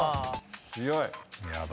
強い。